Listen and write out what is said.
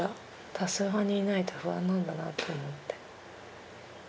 多数派にいないと不安なんだなって思って。